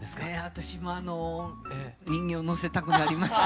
私もあの人形のせたくなりました。